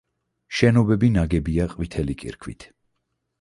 შენობები ნაგებია ყვითელი კირქვით.